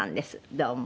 どうも。